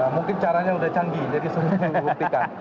mungkin caranya sudah canggih jadi sulit dibuktikan